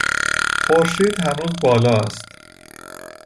خورشید هنوز بالا است.